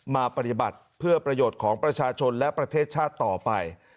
มาปฏิบัติเพื่อประโยชน์ของประชาชนและประเทศชาติต่อไป